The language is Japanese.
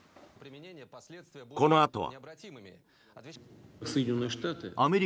このあとは。